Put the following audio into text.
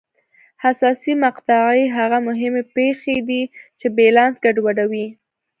حساسې مقطعې هغه مهمې پېښې دي چې بیلانس ګډوډوي.